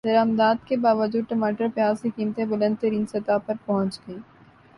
درمدات کے باوجود ٹماٹر پیاز کی قیمتیں بلند ترین سطح پر پہنچ گئیں